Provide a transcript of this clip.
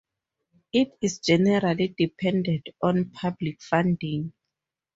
It is generally dependent on public funding.